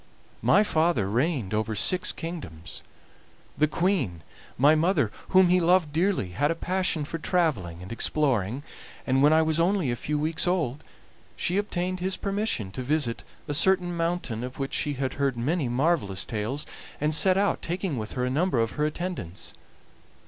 My father reigned over six kingdoms. The Queen, my mother, whom he loved dearly, had a passion for traveling and exploring, and when I was only a few weeks old she obtained his permission to visit a certain mountain of which she had heard many marvelous tales, and set out, taking with her a number of her attendants.